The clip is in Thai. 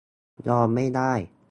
ยอมไม่ได้ !